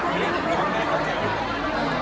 การรับความรักมันเป็นอย่างไร